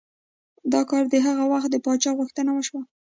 دا کار د هغه وخت د پادشاه په غوښتنه وشو.